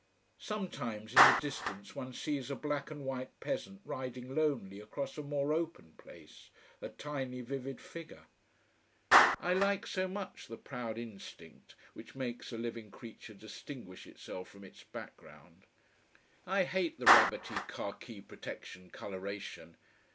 Sometimes, in the distance one sees a black and white peasant riding lonely across a more open place, a tiny vivid figure. I like so much the proud instinct which makes a living creature distinguish itself from its background. I hate the rabbity khaki protection colouration.